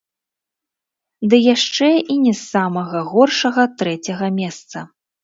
Ды яшчэ і не з самага горшага трэцяга месца.